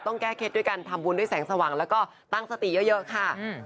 แก้เคล็ดด้วยการทำบุญด้วยแสงสว่างแล้วก็ตั้งสติเยอะค่ะ